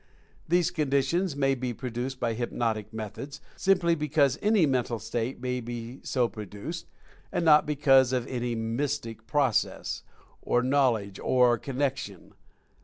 These conditions may be produced by hypnotic methods, simply be cause any mental state may be so produced, and not because of any mystic process, or knowledge, or con nection.